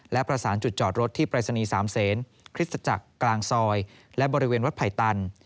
และประสานจุดจอดรถที่ปรายศนีย์๓เซนคริสตจักรกลางซอยและบริเวณวัดไผ่ตัน